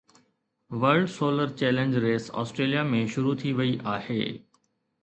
world solar challenge race Australia ۾ شروع ٿي وئي آهي